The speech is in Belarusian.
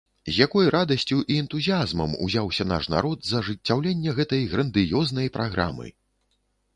З якой радасцю і энтузіязмам узяўся наш народ за ажыццяўленне гэтай грандыёзнай праграмы!